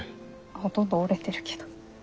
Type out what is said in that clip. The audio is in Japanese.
ほとんど折れてるけど。